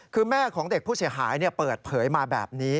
คือแม่ของเด็กผู้เสียหายเปิดเผยมาแบบนี้